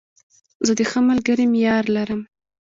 زه د ښه ملګري معیار لرم.